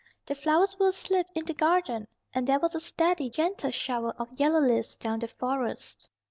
The flowers were asleep in the garden, and there was a steady, gentle shower of yellow leaves down the Forest.